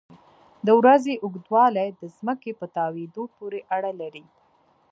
د ورځې اوږدوالی د ځمکې په تاوېدو پورې اړه لري.